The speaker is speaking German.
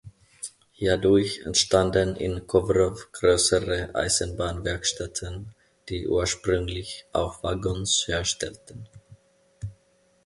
Hierdurch entstanden in Kowrow größere Eisenbahnwerkstätten, die ursprünglich auch Waggons herstellten.